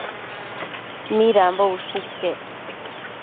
Midambo ushë iquec